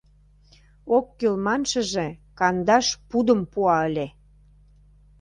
Ок кӱл маншыже кандаш пудым пуа ыле.